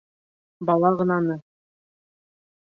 Бала ғынаны.